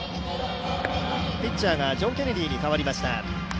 ピッチャーがジョン・ケネディに代わりました。